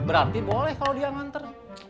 berarti boleh kalau dia nganter